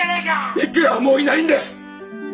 郁弥はもういないんです！